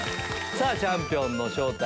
チャンピオンの正体